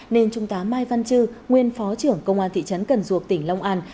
nên trung tá mai văn chư nguyên phó trưởng công an thị trấn cần ruộc tỉnh long an